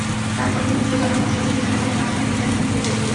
তারপর তিনি পূর্বাহ্নে মসজিদে গেলেন এবং মাকামে ইবরাহীমে গিয়ে পৌঁছলেন।